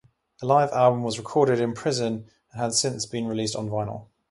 A live album was recorded in prison and had since been released on vinyl.